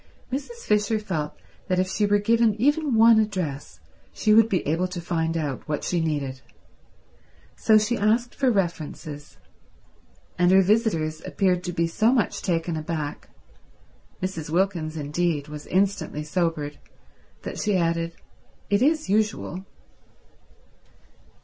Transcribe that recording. Mrs. Fisher felt that if she were given even one address she would be able to find out what she needed. So she asked for references, and her visitors appeared to be so much taken aback—Mrs. Wilkins, indeed, was instantly sobered—that she added, "It is usual."